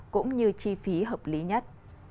cũng như chi phí hợp lý nhất